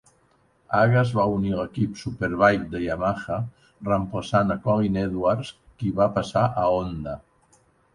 Haga es va unir a l'equip Superbike de Yamaha, reemplaçant a Colin Edwards, qui va passar a Honda.